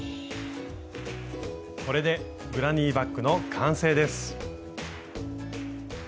これでグラニーバッグの完成です。